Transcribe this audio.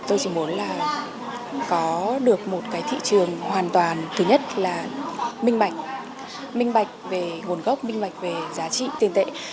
tôi chỉ muốn là có được một cái thị trường hoàn toàn thứ nhất là minh bạch minh bạch về nguồn gốc minh bạch về giá trị tiền tệ